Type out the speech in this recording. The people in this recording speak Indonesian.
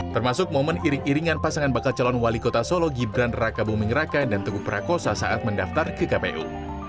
termasuk momen iring iringan pasangan bakal calon wali kota solo gibran raka buming raka dan teguh prakosa saat mendaftar ke kpu